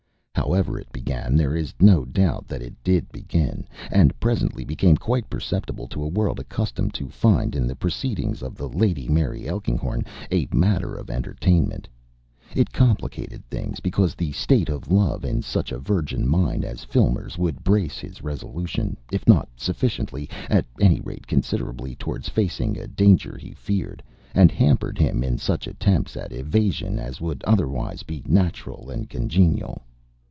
However it began, there is no doubt that it did begin, and presently became quite perceptible to a world accustomed to find in the proceedings of the Lady Mary Elkinghorn a matter of entertainment. It complicated things, because the state of love in such a virgin mind as Filmer's would brace his resolution, if not sufficiently, at any rate considerably towards facing a danger he feared, and hampered him in such attempts at evasion as would otherwise be natural and congenial.